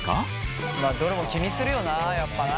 まあどれも気にするよなやっぱな。